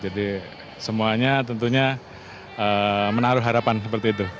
jadi semuanya tentunya menaruh harapan seperti itu